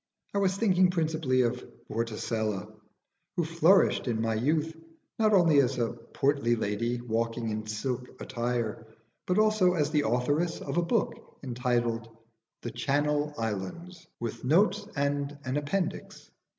I was thinking principally of Vorticella, who flourished in my youth not only as a portly lady walking in silk attire, but also as the authoress of a book entitled 'The Channel Islands, with Notes and an Appendix.'